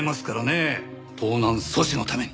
盗難阻止のために！